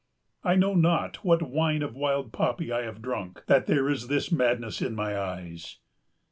"I know not what wine of wild poppy I have drunk, that there is this madness in my eyes."